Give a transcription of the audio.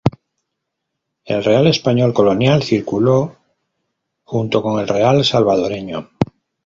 El real español colonial circuló junto con el real salvadoreño.